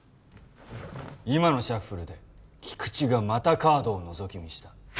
今のシャッフルで菊地がまたカードをのぞき見した。